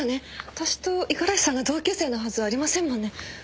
私と五十嵐さんが同級生なはずありませんもんね。